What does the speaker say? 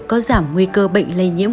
có giảm nguy cơ bệnh lây nhiễm